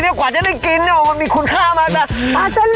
๒ปีกว่าจะได้กินมีคุณค่ามากแบบ